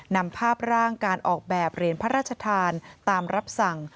นำภาพร่างการออกแบบเหรียญพระราชทานตามรับสั่ง